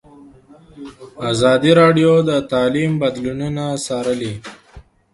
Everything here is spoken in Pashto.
ازادي راډیو د تعلیم بدلونونه څارلي.